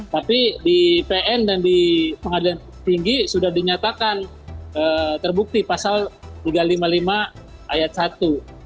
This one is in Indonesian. tapi di pn dan di pengadilan tinggi sudah dinyatakan terbukti pasal tiga ratus lima puluh lima ayat satu